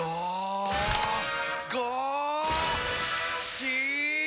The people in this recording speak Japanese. し！